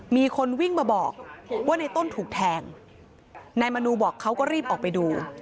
มีคนวิ่งมาบอกว่าในต้นถูกแทงนายมนูบอกเขาก็รีบออกไปดู